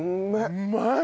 うまい！